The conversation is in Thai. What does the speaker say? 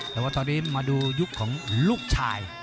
แต่ว่าตอนนี้มาดูยุคของลูกชาย